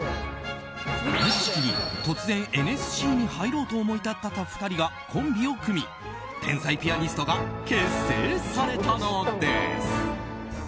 同じ時期に突然ＮＳＣに入ろうと思い立った２人がコンビを組み、天才ピアニストが結成されたのです。